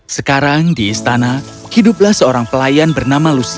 sekarang di istana hiduplah seorang pelayan